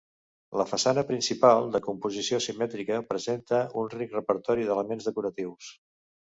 La façana principal, de composició simètrica presenta un ric repertori d'elements decoratius.